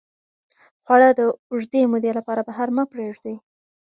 خواړه د اوږدې مودې لپاره بهر مه پرېږدئ.